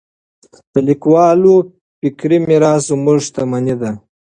د لیکوالو فکري میراث زموږ شتمني ده.